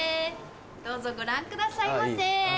どうぞご覧くださいませぇ。